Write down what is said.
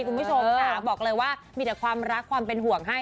คุณผู้ชมค่ะบอกเลยว่ามีแต่ความรักความเป็นห่วงให้